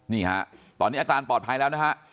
นี่ฮะตอนนี้อาการปลอดภัยแล้วนะฮะ